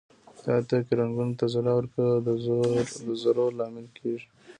دا توکي رنګونو ته ځلا ورکوي او د زرو لامل کیږي.